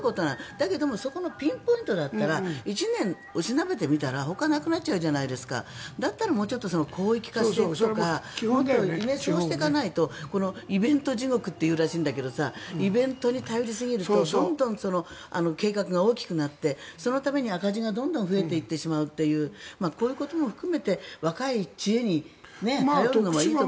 だけどそこのピンポイントだったら１年押しなべて見たらほかがなくなるじゃないですかだったら公益化していくとかそうしていかないとイベント地獄というらしいんだけどイベントに頼りすぎるとどんどん計画が大きくなってそのために赤字が増えていってしまうというこういうことも含めて若い知恵に頼ることはいいと思います。